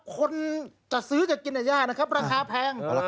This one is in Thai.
คนจะซื้อจะกินยากนะครับราคาแพง